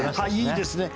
いいですね。